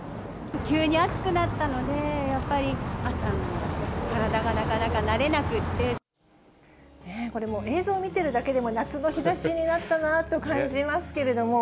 急に暑くなったので、やっぱり、これもう、映像見てるだけでも、夏の日ざしになったなと感じますけれども。